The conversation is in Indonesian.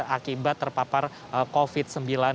akibat terpapar covid sembilan belas